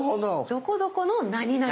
どこどこのなになに。